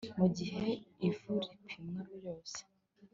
Mu gihe ivu ripimwa ryose